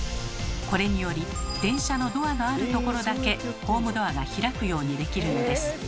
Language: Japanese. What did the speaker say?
これにより電車のドアのあるところだけホームドアが開くようにできるのです。